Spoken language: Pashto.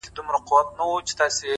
• د ړانده سړي تر لاسه یې راوړی ,